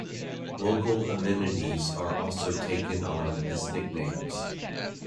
Local amenities are also taken on as nicknames.